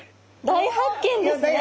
大発見ですね！